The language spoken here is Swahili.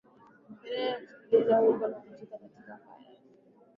sherehe za kuwashirikisha kuimba na kucheza katika nafasi ya ukeketaji